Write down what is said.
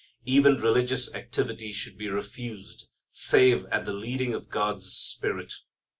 Even religious activity should be refused save at the leading of God's Spirit.